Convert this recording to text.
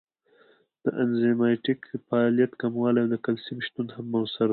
د انزایمټیک فعالیت کموالی او د کلسیم شتون هم مؤثر دی.